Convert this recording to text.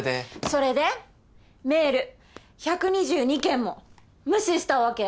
それでメール１２２件も無視したわけ？